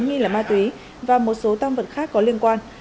như là ma túy và một số tăng vật khác có liên quan